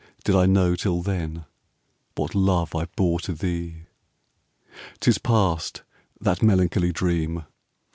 did I know till then What love I bore to thee. 'Tis past, that melancholy dream!